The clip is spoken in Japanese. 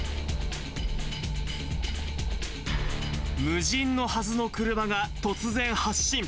無人のはずの車が突然、発進。